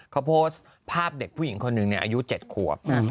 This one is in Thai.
เขาโพสต์ภาพเด็กผู้หญิงคนหนึ่งอายุ๗ขวบ